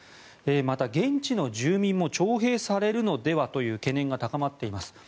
また、現地の住民も徴兵されるのではという懸念が高まっています。